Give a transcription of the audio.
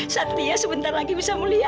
satria sebentar lagi bisa melihat